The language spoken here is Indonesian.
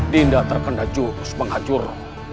dinda terkena jurus menghancur